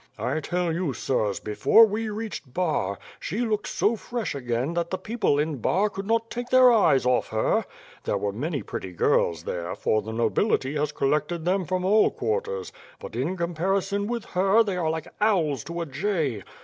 I tell you, sirs, before we reached Bar, she looked so fresh 376 ^^^'H FIRE AND SWORD. again that the people in Bar could not take their eyes oflE her. There were many pretty girls there, for the nobility has col lected there from all quarters; but in comparison with her they are like owls to a jay.